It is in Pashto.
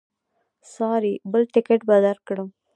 ساري بل ټکټ به درکړم.